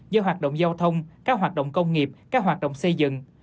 do hoạt động giao thông các hoạt động công nghiệp các hoạt động xây dựng